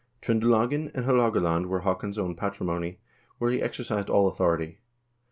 Tr0ndelagen and Haalogaland were Haakon's own patrimony, where he exercised full authority.